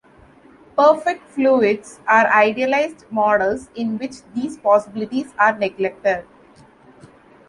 Perfect fluids are idealized models in which these possibilities are neglected.